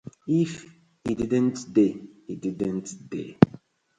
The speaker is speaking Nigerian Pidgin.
If e didnʼt dey, e didnʼt dey.